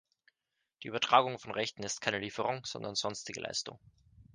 Die Übertragung von Rechten ist keine Lieferung, sondern sonstige Leistung.